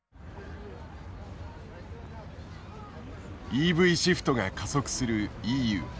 ＥＶシフトが加速するＥＵ。